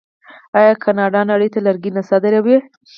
آیا کاناډا نړۍ ته لرګي نه صادروي؟